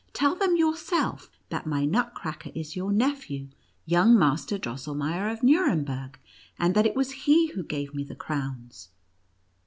Tell them yourself, that my Nutcracker is your nephew, young Master Drosselmeier, of Nurem berg, and that it was he who gave me the crowns